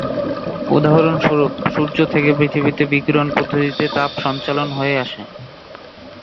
উদাহরণ স্বরুপ- সূর্য থেকে পৃথিবীতে বিকিরণ পদ্ধতিতে তাপ সঞ্চালিত হয়ে আসে।